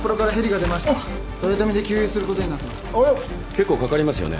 結構かかりますよね？